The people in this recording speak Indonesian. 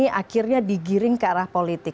ini akhirnya digiring ke arah politik